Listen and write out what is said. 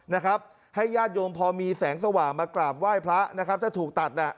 นะครับให้ญาติโยมพอมีแสงสว่างมากราบไหว้พระนะครับถ้าถูกตัดน่ะ